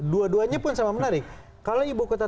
dua duanya pun sama menarik kalau ibu kota